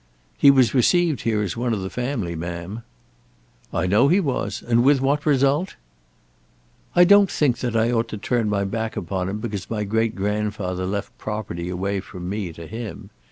"He was received here as one of the family, ma'am." "I know he was; and with what result?" "I don't think that I ought to turn my back upon him because my great grandfather left property away from me to him.